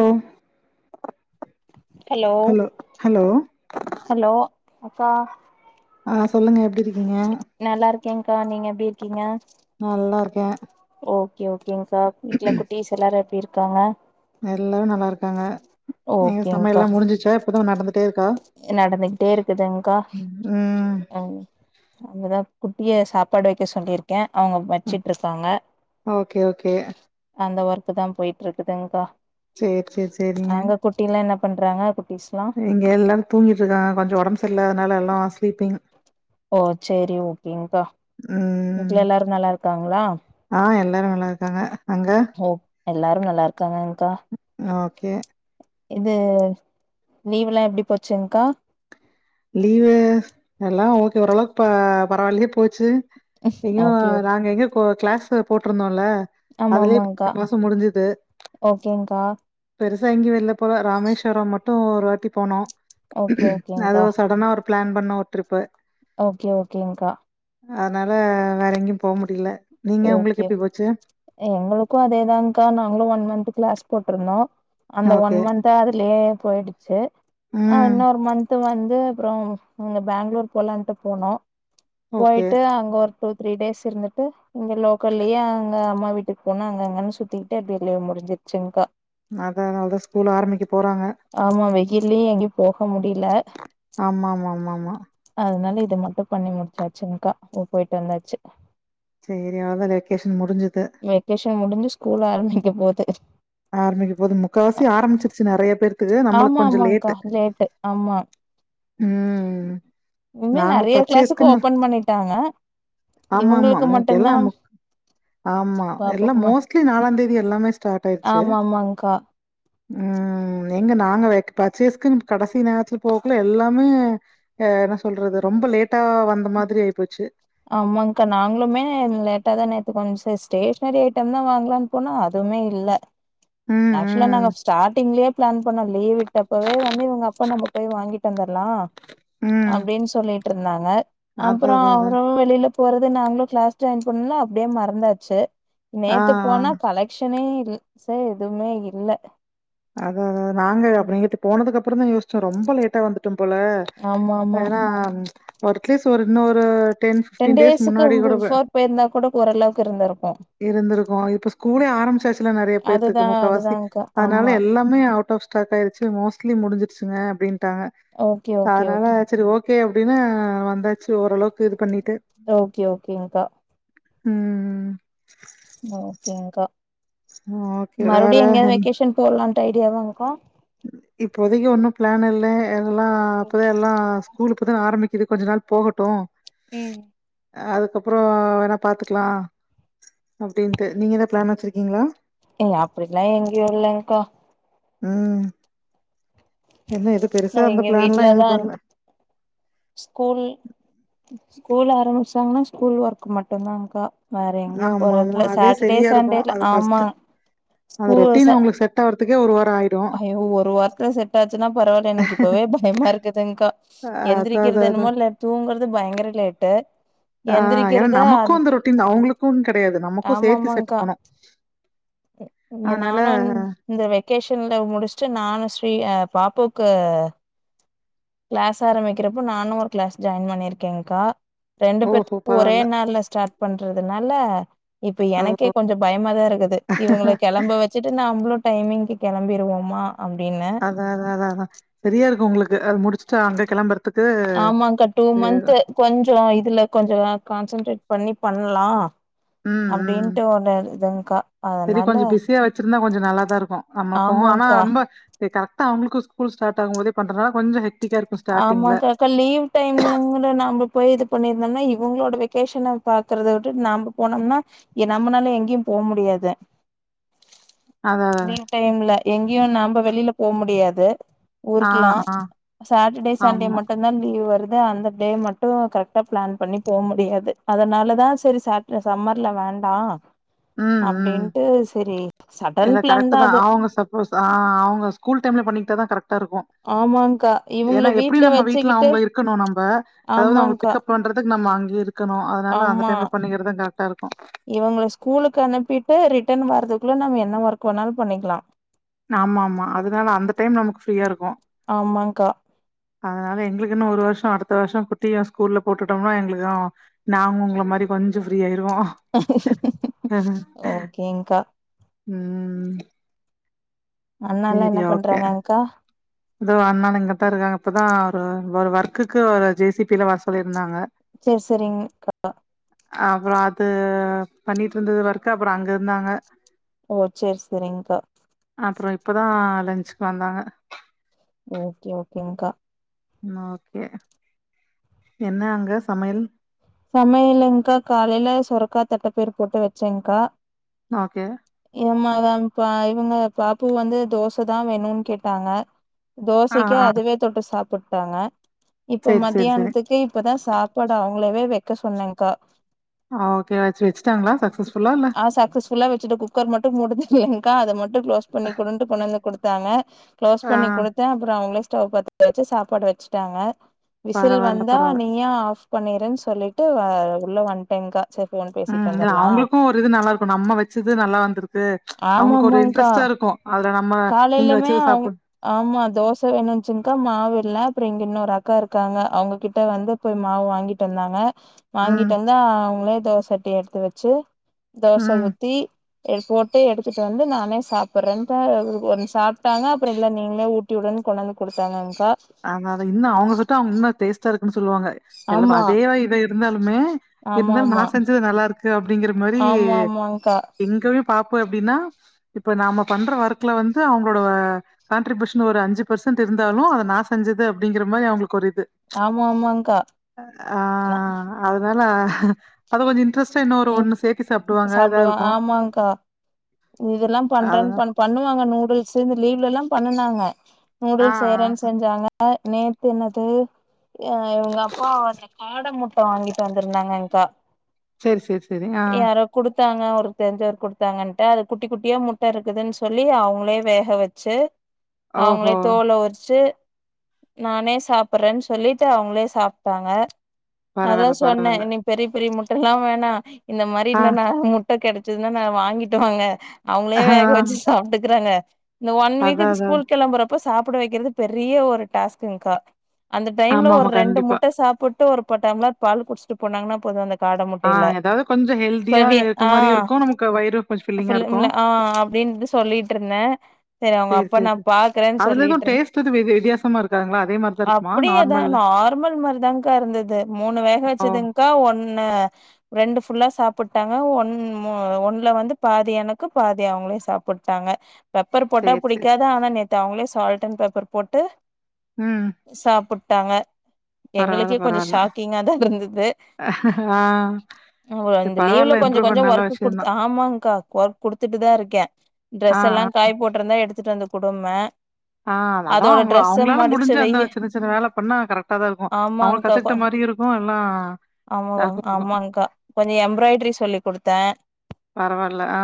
ஓ hello hello அக்கா ஆ சொல்லுங்க எப்டி இருக்கீங்க நல்லா இருக்கேங்க்கா நீங்க எப்டி இருக்கீங்க நல்லாருக்கே ஓகே ஓகேங்க்கா வீட்ல குட்டீஸ் எல்லாரு எப்டி இருக்காங்க எல்லாரு நல்லா இருக்காங்க எங்க ஓகேங்க்கா சமையல்லா முடிஞ்சிச்சா இப்பதா நடந்துட்டே இருக்கா நடந்துகிட்டே இருக்குதுங்கா ம் இப்பதா குட்டிய சாப்பாடு வைக்க சொல்லிருக்க அவங்க வச்சுட்டு இருக்காங்க ஓகே ஓகே அந்த ஒர்க்கு த போயிட்டு இருக்குதுங்க்கா சேர் சேர் செரிங்க குட்டில என்ன பண்றாங்க குட்டீஸ்லா இங்க எல்லாரு தூங்கிட்டுருக்காங்க கொஞ்ச உடம்பு சரியில்லாதனால எல்லா ஸ்லீப்பிங் ஓ சேரி ஓகேங்க்கா ம் வீட்ல எல்லாரு நல்லா இருக்காங்ளா ஆ எல்லாரு நல்லா இருக்காங்க அங்க ஓ எல்லாரும் நல்லா இருக்காங்க்கா ஓகே இது லீவ்லா எப்டி போச்சுங்க்கா லீவு எல்லா ஓகே ஓரளவுக்கு பரவாயில்லய போச்சு ஐயோ ஓகே ஓகே நாங்க இங்க கோ கிளாஸ்சு போட்ருந்தோல ஆமா அதுலே ஆமாங்க்கா பத்து மாசம் முடிஞ்சுது ஓகேங்க்கா பெருசா எங்கியு வெள்ல போல்ல இராமேஸ்வரம் மட்டு ஒரு வாட்டி போனோ ஓகே அது ஓகேங்க்கா சடனா ஒரு பிளான் பண்ணோ ஒரு ட்ரிப்பு ஓகே ஓகேங்கா அதனால வேற எங்கயு போ முடில ஓகே எங்களுக்கு அதேதாகா நாங்களு ஒன் மந்த் கிளாஸ் போட்ருந்தோ அந்த ஒன் ஓகே மன்த்த அதுலயே போயிடுச்சு அ ம் இன்னொரு மன்த் து வந்து அப்றோ அங்க பெங்களூர் போலான்ட்டு போனோ ஓகே போயிட்டு அங்க ஒரு டூ த்ரீ டேஸ் இருந்துட்டு இங்க லோக்கல்லயே அங்க அம்மா வீட்டுக்கு போனா அங்க அங்கன் சுத்திக்கிட்டு அப்டியே லீவ் முடிஞ்சிருச்சுன்கா அத அத அதா ஸ்கூல் ஆரம்பிக்க போறாங்க ஆமா வெயில்யு எங்கயு போக முடில ஆமா ஆமா ஆமா ஆமா அதனால இத மட்டு பண்ணி முடிச்சாச்சுன்கா போயிட்டு வந்தாச்சு சேரி அவ்ளதா இந்த வெக்கேஷன் முடிஞ்சுது வெக்கேஷன் முடிஞ்சு ஸ்கூல் ஆரம்பிக்க போது ஆரம்பிக்க போது முக்கால் வாசி ஆரம்பிச்சிருச்சு நறைய பேருக்கு இது நம்மளுக் ஆமா கொஞ்ச ஆமாங்க்கா லேட்டு லேட்டு ஆமா ம் இனிமே நாங்க நெறைய கிளாஸுக்கு பர்ச்சேஸ்க்குன்னு ஓபன் பண்ணிட்டாங்க ஆமா ஆமா இவங்களுக்கு மோ மட்டுந்தா எல்லா ஆமா எல்லா பாப்புக்கு மட் மோஸ்ட்லி நாளா தேதி எல்லாமே ஸ்டார்ட் ஆயிருச்சு ஆமா ஆமாங்க்கா ம் ம் எங்க நாங்க பர்ச்சேஸ்க்குனு கடைசி நேரத்துல போகல எல்லாமே என்ன சொல்லறது ரொம்ப லேட்டா வந்த மாதிரி ஆயி போச்சு ஆமாங்க்கா நாங்ளுமே லேட்டாதா நேத்து கொஞ்சோ ஸ் ஸ்டேஷ்னரி ஐட்டம்தா வாங்கலான்னு போனா அதுமே இல்ல ம், ஆக்சுலா ம், நாங்க ஸ்டார்டிங்லயே ப்ளான் பண்ணோ லீ்வ் விட்டப்பவே வந்து இவங்க அப்பா நம்ம போய் வாங்கிட்டு வந்துர்லா ம். அப்டின்னு சொல்லிட்டு இருந்தாங்க அப்றோ அதான், அதான், அதான். அவரு வெளில போறது நாங்களு கிளாஸ் ஜாயின் பண்ணோ அப்டியே மறந்தாச்சு ஆ, நேத்து ஆ. போனா கலெக்ஷனே இல் சே எதுமே இல்ல அதா அதா நாங்க அப்ப நேத்து போனதுக்கு அப்றோதா யோசிச்சோ ரொம்ப லேட்டா வந்துட்டோம்போல ஆமா ஆமா எதுனா ஒரு அட்லீஸ்ட் ஒரு இன்னொரு டென் டேஸ் டேஸ்க்கு முன்னாடி கூட ப பிஃபோர் போயிருந்தா கூட ஓரளவுக்கு இருந்திருக்கு இருந்திருக்கு இப்ப ஸ்கூலே ஆரம்பிச்சாச்சில்ல நெறய பேத்துக்கு அதுதா முக்காவாசி அதுதான்க்கா அதனால ஆமா எல்லாமே அவுட் ஆஃப் ஸ்டாக் ஆயிருச்சு மோஸ்ட்லி முடிஞ்சிருச்சுங்க அப்டின்ட்டாங்க ஓகே ஓகே அதனால ஓகே செரி ஓகே அப்டின்னு வந்தாச்சு ஓரளவுக்கு இது பண்ணிட்டு ஓகே ஓகேங்க்கா ம் ஓகேங்க்கா ஓகே. வேற மறுவடியு எங்கேயாது என் வெகேஷன் போலான்டு ஐடியாவாங்க்கா இப்போதைக்கு ஒன்னு ப்ளான் இல்ல எல்லா ஓகே இப்பதா எல்லா ஓகேங்க்கா. ஸ்கூலு இப்பதா ஆரம்பிக்குது கொஞ்ச நாள் போகட்டு ம் அதுக்கப்றோ வேணா பாத்துக்கலா அப்டின்ட்டு நீங்க எதா ப்ளான் வெச்சிருக்கீங்ளா ஏங்க அப்டியெல்லா எங்கயு இல்லைங்க்கா ம் இன்ன எது நா பெருசா எந்த எங்க ப்ளான்ல்லா வீட்லதா எதும் பண்ல ஸ்கூல் ஸ்கூல் ஆரம்பிச்சாங்கன்னா ஸ்கூல் ஒர்க் மட்டுந்தான்க்கா வேற எங்கயும் ஆமாமா. போறதில்ல அதே சாட்டர்டே சரியா இருக்கும். சண்டேல அது ஃபர்ஸ்ட்டு ஆமாங் ஸ்கூ ச செட்டாவரதுக்கே ஒரு வாரோ ஆயி அயோ ஒரு வாரத்துல செட் ஆச்சுன்னா பரவால்ல இன்னைக்கு எனக்கு இப்பவே பயமா இருக்குதுங்க்கா அ அதான் எந்திரிக்கிறது அதான் என்னுமோ அதான். இல்ல தூங்குறது பயங்கர லேட்டு ஆ ஏனா எந்திரிக்கிறத நமக்கு அது அந்த ரொட்டின் அவுங்களுக்கு கெடையாது நமக்கு ஆமா சேத்து ஆமாங்க்கா செட்டாவனு இங்க நானு இந்த வெக்கேஷன்ல முடிச்சுட்டு நானு ஸ்ரீ அ பாப்பாக்கு கிளாஸ் ஆரம்பிக்கிறப்போ நானு ஒரு கிளாஸ் ஜாயின் பண்ணிருக்கேன்க்கா ரெண்டு ஓஹோ! பேத்துக்கு ஒரே பரவால்ல. நாள்ல ஸ்டார்ட் பண்றதுனால இப்ப எனக்கே ஓ! கொஞ்சோ பயமாதா இருக்குது இவங்கள கெளம்ப வெ ச்சிட்டு நம்மளு டைமிங்க்கு கெளம்பிருவோமா அப்டின்னு அதா அதா அதா அதா செரியா இருக்கு உங்ளுக்கு அது முடிச்சுட்டு அங்க கெளம்பறதுக்கு ஆமாக்கா டூ இதேதா மந்த்து கொஞ்சோ இதுல கொஞ்சோ கான்சன்ட்ரேட் பண்ணி பண்லா அப்டின்ட்டு ஒன்னு இருக்குதுங்க்கா செரி கொஞ்சொ பிஸியா வெச்சிருந்தா கொஞ்சோ நல்லாதா இருக்கு நமள்க்கு ஆனா ஆமாங்க்கா ரொம்ப செரி கரெக்டா அவுங்களுக்கு ஸ்கூல் ஸார்ட் ஆகும்போதே பண்றதுனால கொஞ்சோ ஆமாங்க்கா க்கா லீவ் டைம்லங் கூட நாம போய் இது பண்ணிருந்தம்னா இவங்களோட வெகேஷன பா கக்கறத விட்டுட்டு நாம்ப போனோம்னா எ நம்பனால எங்கேயு போ முடியாது அத்தாதா லீவ் டைம்ல எங்கேயு நாம்ப வெளில போ முடியாது ஆ, ஊருக்குல்லா ஆ. சாட்டர்டே சண்டே ஆமா. மட்டு தா லீவ் வருது அந்த டே மட்டு கரெக்டா பிளான் பண்ணி போ முடியாது அதனால தா செரி ச சம்மர்ல வேண்டா ம், ம். அப்டின்ட்டு செரி அப்டீன்ட்டு சடன் இல்ல பிளான் கரெக்ட்டு தா தான். அது அவங்க ஆ அவங்க ஸ்கூல் டைம்ல பண்ணிக்கிட்டா தா கரெக்டா இருக்கு ஆமாங்க்கா ஏன்னா இவங்கள எப்டி நம்ம வீட்ல வச்சுக்கிட்டு அவுங்கள இருக்கணு நம்ப அதாவது அவங்க ஆமாங்க்கா பிக்கப் பண்ற நம்ம அங்கி இருக்கணு அதனால அந்த ஆமா டைம்ல பண்ணிக்கறதா கரெக்டா இருக்கு இவங்கள ஸ்கூலுக்கு அனுப்பிட்டு ரிட்டன் வர்றக்குள்ள நம்ம என்ன ஒர்க் வேணாலு பண்ணிக்கலா ஆமா ஆமா அதனால அந்த டைம் நமக்கு ஃப்ரீயா இருக்கு ஆமாக்கா அதனால எங்களுக்கு இன்னும் ஒரு அதனால எங்களுக்கு இன்னு ஒரு வருஷோ அடுத்த வருஷோ குட்டிம் ஸ்கூல்ல போட்டுட்டோம்னா எங்களுக்கு நாங்க உங்கள மாரி கொஞ்சோ ஃப்ரீ ஆயிருவோ ஓகேங்க்கா ம் அண்ணால்லா சேரி என்ன ஓகே பண்றாங்கக்கா இதோ அண்ணனு இங்கதா இருக்காங்க இப்பதா ஒரு ஒரு ஒர்க்குக்கு ஒரு ஜே சி பி ல வர சொல்லியிருந்தாங்க சேர் சேரிங்க்கா அப்றோ அது பண்ணிட்டு இருந்தது ஒர்க்கு அப்றோ அங்க இருந்தாங்க ஓ சேர் சேரிங்க்கா அப்றோ இப்போதா லஞ்சுக்கு வந்தாங்க ஓகே ஓகேங்க்கா ஓகே என்ன அங்க சமையல் சமையலங்க்கா காலையில சுரக்கா தட்ட பயிறு போட்டு வெச்சேங்க்கா ஓகே ஏ மவ பா இவங்க பாப்பு வந்து தோசதா வேணுன்னு கேட்டாங்க ஆ தோசைக்கு ஆ அதுவே தொட்டு சாப்ட்டாங்க இப்ப சேரி சேரி சேரி மத்தியானத்துக்கு இப்பதா சாப் ப்பாட அவங்களவே வைக்க சொன்னேன்கா ஆ ஓகே வெச்சு வெச்சுட்டாங்களா சக்சஸ் ஃபுல்லா இல்ல ஃபுல்லா வெச்சுட்டு குக்கர் மட்டு மூட தெரிலியாங்கா அத மட்டு குளோஸ் பண்ணி குடுன்ட்டு கொண்டு வந்து குடுத்தாங்க குளோஸ் ஆ பண்ணி குடுத் தே அப்றோ அவங்களே ஸ்டவ் பாத்த வெச்சு சாப்பாடு வெச்சுட்டாங்க விசில் பரவால்ல வந்தா பரவால்ல நீயே ஆஃப் பண்ணிருன்னு சொல்லிட்டு உள்ள வன்ட்டேங்க்கா ம் இல்ல அவங்களுக்கு ஒரு இது நல்லா இருக்கு நம்ம வெச்சது நல்லா வந்திருக்கு அவங்களுக்கு ஒரு ஆமாமாங்க்கா இன்ட்ரெஸ்ட்டா இருக்கு அதுல நம்ம நீங்க காலையிலுமே வெச்சத அவங் சாப் ஆமா தோச வேணுச்சுன்க்கா மாவு இல்ல அப்றோ இங்க இன்னொரு அக்கா இருக்காங்க அவங்ககிட்ட வந்து போய் மாவு வாங்கிட்டு வந்தாங்க ம் வாங்கிட்டு வந்து அவங்களே தோச சட்டி எடுத்து வெச்சு தோச ம் ஊத்தி போட்டு எடுத்துட்டு வந்து நானே சாப்ட்டுறேனு ஒன் சாப்ட்டாங்க அப்றோ இல்ல நீங்களே ஊட்டி உடுனு கொண்டந்து குடுத்தாங்கக்கா அத இன்னு அவங்க சுட்டா அவங்க இன்னு டேஸ்ட்டா இருக்குன்னு சொல்லுவாங்க எல்லா ஆமா அதே வ இத இருந்தாலுமே ஆமா இருந்தாலு நா ஆமா செஞ்சது நல்லா இருக்கு அப்டிங்கிற மாரி ஆமா ஆமாங்க்கா இங்கயே பாப்பா எப்டின்னா இப்ப நாம பண்ற ஒர்க்ல வந்து அவங்களோட கண்டட்ரிபியூஷன் ஒரு அஞ்சு பெர்சன்ட் இருந்தாலு அத நா செஞ்சது அப்டிங்கற மாரி அவங்களுக்கு ஒரு இது ஆமா ஆமாங்க்கா ஆ நா அதனால அத கொஞ்சோ இன்ட்ரெஸ்ட்டா இன்னொரு ஒரு ம் ஒண்ணு சேத்தி சாப்டுவாங்க இதா சாப்டுவா இருக்கு ஆமாங்க்கா இதெல்லா பண்றேன்னு அதனா பண் பண்ணுவாங்க நூடுல்ஸ் இந்த லீவ்ல ல்லா பண்ணுனாங்க ஆ நூடுல்ஸ் ஆ செய்றேன்னு செஞ்சாங்க நேத்து என்னது அ இவுங்க அப்பா வந்து காட முட்ட வாங்கிட்டு வந்திருந்தாங்க கா சேரி சேரி சேரி ஆ யாரோ குடுத்தாங்க ஒரு தெரிஞ்சவர் குடுத்தாங்கன் ட அது குட்டி குட்டியா முட்ட இருக்குதுன்னு சொல்லி அவுங்களே வேக வச்சு அவுங்களே ஓஹோ தோல உரிச்சு நானே சாப்டுறேன்னு சொல்லிட்டு அவுங்களே சாப்டாங்க அதா பரவால்ல, சொன்னே பரவால்ல. இனி பெரிய பெரிய முட்ட ல்லா வேணா இந்த மாரி ஆ, இன்னு நாளு முட்டை கெடைச்சதுன்னா நா வாங்கிட்டு வாங்க அவுங்களே ஆ, வேக வச்சு சாப்டுக்கிறாங்க இந்த ஒன் வீக்கு அதான், க்கு அதான். ஸ்கூல் கெளம்புறப் ப சாப்ட வக்கிறது பெரிய ஒரு டாஸ்ங்குகா அந்த டைம்ல ஒரு ஆமாமா, ரெண்டு கண்டிப்பா. முட்ட சாப்புட் டு ஒரு பட் டம்ளர் பால் குடிச்சிட்டு போனாங்கன்னா போது அந்த காட ஆ முட்டையில ஏதாவது கொஞ்சோ ஹெல்தியா இருக்க மாரியு இருக்கு நமக்கு வயிறு கொஞ்ச ஃபில் ஃபுல்லு மில்லு ஆ அப்டின்ட்டு சொல்லிட்டு ருந்தே செரி அவுங்க சரி, அப்பா சரி, நா சரி. பாக்குறேன்னு அதுல சொல்லிட்டு எதுவும் இருந் டேஸ்ட் எதுவும் வித் வித்தியாசமா இருக்காங்களா? அதே மாரி தான் இருக்குமா? அப்டியேதா நார்மல்ல? நார்மல் மாரிதான்கா இருந்தது மூணு வேக ஓ! வச்சதுங் அக்கா ஒன்னு ரெண்டு ஃபுல்லா சாப்பிட்டாங்க ஒன் மூ ஒன்னல வந்து பாதிய எனக்கு பாதி அவுங்களே சாப்புட்டாங்க பெப்பர் போட்டா சரி, சரி, சரி. புடிக்காது ஆனா நே த்து அவுங்களே சால்ட் அண்ட் பெப்பர் போட்டு ம் சாப்புட்டாங்க பரவால்ல, எங்களுக்கே கொஞ்சோ பரவால்ல. ஷாக்கிங்காதா இருந்தது ஆ. அ ஒ சரி இந்த லீவ்ல பரவால்ல. கொஞ்ச இம்ப்ரூவ் கொஞ்ச பண்ண நல்ல ஒர்க் விஷயம் குடுத்து தான். ஆமாங்கா அ ஒர்க் குடுத்துட்டுதா ருக்கே ஆ, ட்ரெஸ் எல்லா ஆ. காய போட்ருந்தா எடுத்துட்டு வந்த குடு ம் பே ஆ அதா அவுங்கள அவுங்களால முடிஞ்சு அந்த வையி சின்ன சின்ன வேல பண்ணா கரெக்டா தா இருக்கும். அவுங்க கத்துக்கிட்ட மாரி இருக் மோ எல்லா ஆமாவங் ஆமாங்கா கொஞ்சோ எம்பிராய்ட்ரி சொல்லி குடுத்தே பரவால்ல ஆ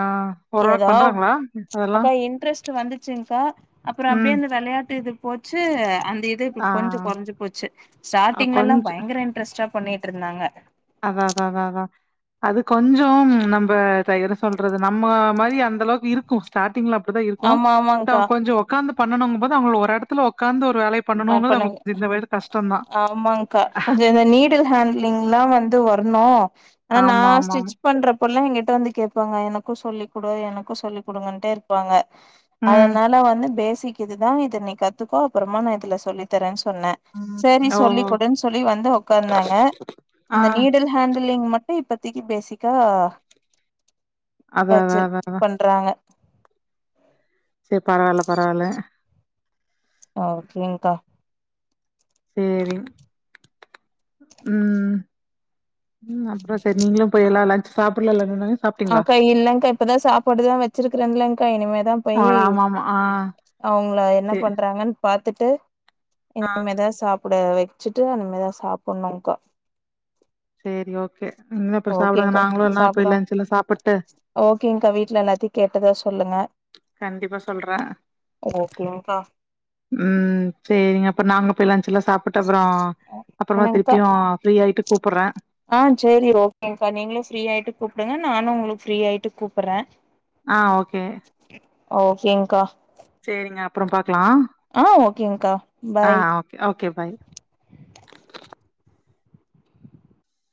ஓரளவுக்கு பண்றாங்களா அதெல்லா லெட்டுரு வந்துச்சுகா அப்பறோ ம். அப்டியே இந்த வெளையாட்டு இது போச்சு அந்த இது அப்டியே இப்ப ஆ. கொஞ்சோ கொறஞ்சு போச்சு அ ஸ்டார்ட்டிங் லல்லா கொஞ்ச பயங்கர இன்ட்ரெஸ்ட்டா பண்ணிட்டு இருந்தாங்க. அதா அதா அதா அதா அது கொஞ்சோம் நம்ப தயிர சொல்றது நம்ம மாரி அந்தளவுக்கு இருக்கு ஸ்டார்டிங்ல அப்டிதா இருக்கு ஆமா ட ஆமாங்க்கா கொஞ்சோ உட்காந்து பண்ணனுங்க போது அவுங்கள ஒரு எடத்துல உட்காந்து ஒரு வேலய பட் பண்ணுங்க ஆமாங்க்கா கொஞ்ச இந்த நீட் டு ஹேண்ட்லிங்க்ல்லா வந்து வரணு ஆனா நா ஆமா, ஆமாமா. ஸ்டிட்ச் பண்றப்ப ல்லா எங்க்கிட்ட வந்து கேட்பாங்க எனக்கு சொல்லி குடு எனக்கு சொல்லி குடுங்கண்டே இருக்கு போங்க ம். அதனால வந்து பேஸிக் இதுதா இத நீ கத்துக்கோ அப்பறமா நா இதுல சொல்லி தரேனு சொன்னே. செரி சொல்லி ஓஹோ! குடுன்னு சொல்லி வந்து உக்காந்தாங்க ஆ. அந்த நீடில் ஹேண்ட்லிங் மட்டு இப்பத்திக்கு பேஸிக்கா அதான் வச்சு அதான் அதான் அதான். பண்றாங்க செரி பரவால்ல பரவால்ல ஓகே ங்க்கா சேரி ம் ம் அப்றோ சேரி நீங்ளு போய் எல்லா லஞ்ச் சாப்புல்லல நீனு அக்கா இல்லங்கா இப்பதா சாப்பாடுதா வச்சிருக்கிறன்ல்கா இனிமேதா போய் அ ஆங் அவுங்களா என்ன பண்றாங்கன் பாத்துட்டு ஆ. இனிமேதா சாப்பிட வச்சுட்டு இனிமே தா சாப்ணுகா சேரி ஓகே ம் அப்ப சாப்டுங்க ஓகேங்க்கா நாங்ளு என்னா போய் சாப்பிடு லன்ச்சுலா சாப்புட்டு ஓகேங்க்கா வீட்ல எல்லாத்தியு கேட்டதா சொல்லுங்க கண்டிப்பா சொல்றே ஓகேங்க்கா ம் சேரிங்க அப்ப நாங்க போய் லஞ்ச்சுல்லா சாப்புட்டு அப்றோ அப்றமா என்னங்க்கா திருப்பியு ஃப்ரீயாயிட்டு கூப்புறே ஆ சேரி ஓகேங்க்கா நீங்ளு ஃப்ரீயாயிட்டு கூப்டுங்க நானு உங்ளுக்கு ஃப்ரீயாயிட்டு கூப்புறே ஆ ஓகே ஓகேங்க்கா சேரிங்க அப்றோ பாக்லா ஆ ஓகேங்க்கா ஆ பாய் ஓகே ஓகே பாய்